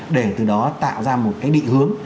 để từ đó tạo ra một cái địa hướng